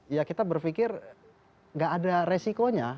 ya kita berpikir gak ada resikonya